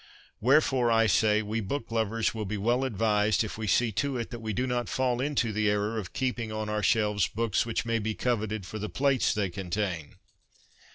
Wherefore, I say, we book lovers will be well advised if we see to it that we do not fall into the error of keeping on our shelves books which may be coveted for the plates they contain.